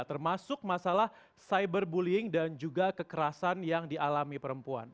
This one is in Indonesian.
termasuk masalah cyberbullying dan juga kekerasan yang dialami perempuan